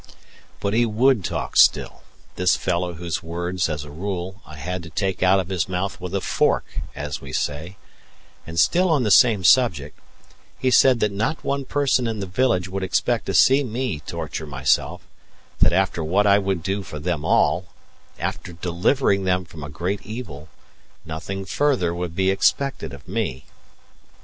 But he would talk still this fellow whose words, as a rule, I had to take out of his mouth with a fork, as we say; and still on the same subject, he said that not one person in the village would expect to see me torture myself; that after what I would do for them all after delivering them from a great evil nothing further would be expected of me.